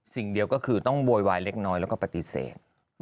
สิ่งเดียวก็คือต้องโวยวายเล็กน้อยแล้วก็ปฏิเสธ